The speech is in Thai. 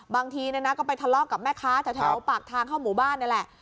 บางทีก็ไปทะเลาะกับแม่ค้าแถวปากทางเข้าหมู่บ้านนี่แหละ